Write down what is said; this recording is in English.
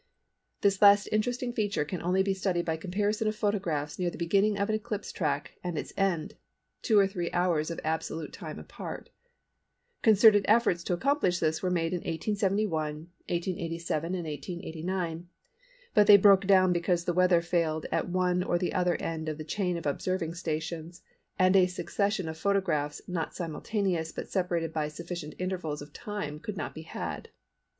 This last interesting feature can be studied only by comparison of photographs near the beginning of an eclipse track and its end, two or three hours of absolute time apart." Concerted efforts to accomplish this were made in 1871, 1887, and 1889, but they broke down because the weather failed at one or other end of the chain of observing stations and a succession of photographs not simultaneous but separated by sufficient intervals of time could not be had.